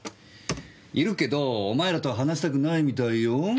いるけどお前らと話したくないみたいよ。